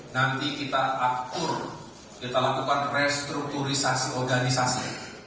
nanti kita atur kita lakukan restrukturisasi organisasi